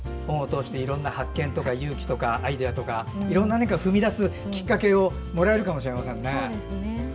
本を通していろんな発見とか勇気とかアイデアとかいろんな踏み出すきっかけをもらえるかもしれませんね。